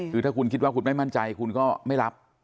คือถ้าคุณคิดว่าคุณไม่มั่นใจคุณก็ไม่รับ